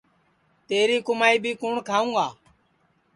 تیری کُمائی بی کُوٹؔ کھاوں گا